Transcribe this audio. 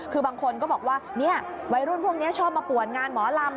คือบางคนก็บอกว่าวัยรุ่นพวกนี้ชอบมาป่วนงานหมอลำ